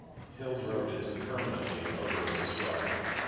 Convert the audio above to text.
Hills Road is permanently over-subscribed.